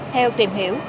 theo tìm hiểu